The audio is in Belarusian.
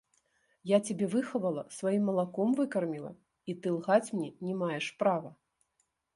Я цябе выхавала, сваім малаком выкарміла, і ты лгаць мне не маеш права.